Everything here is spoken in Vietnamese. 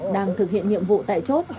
đang thực hiện nhiệm vụ tại chốt